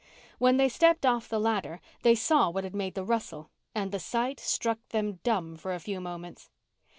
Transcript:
When they stepped off the ladder they saw what had made the rustle and the sight struck them dumb for a few moments.